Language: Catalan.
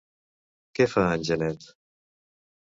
Què fa en Janet?